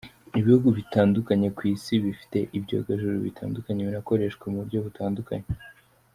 Ibihugu bitandukanye ku Isi bifite ibyogajuru bitandukanye binakoreshwa mu buryo butandukanye.